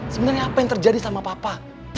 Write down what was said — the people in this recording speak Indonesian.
sebenarnya apa yang terjadi sama papa